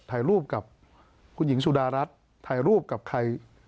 ถ่ายรูปกับคุณหญิงสุดารัฐถ่ายรูปกับใคร